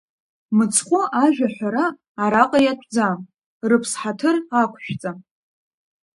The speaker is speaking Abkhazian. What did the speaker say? Мыцхәы ажәа ҳәара араҟа иатәӡам, рыԥс ҳаҭыр ақәшәҵа.